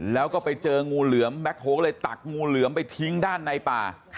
แล้วก็ไปเจองูเหลือมแบ็คโฮก็เลยตักงูเหลือมไปทิ้งด้านในป่า